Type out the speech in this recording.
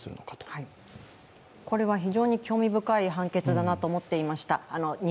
これは非常に興味深い判決だと思っていました。